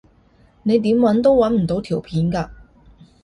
你點搵都搵唔到條片㗎